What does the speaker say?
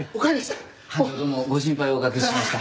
どうもご心配おかけしました。